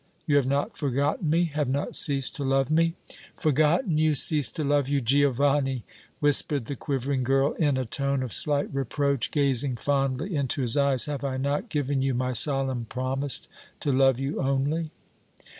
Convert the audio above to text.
You have not forgotten me, have not ceased to love me?" "Forgotten you, ceased to love you, Giovanni!" whispered the quivering girl, in a tone of slight reproach, gazing fondly into his eyes. "Have I not given you my solemn promise to love you only?"